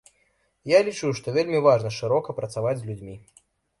Я лічу, што вельмі важна шырока працаваць з людзьмі.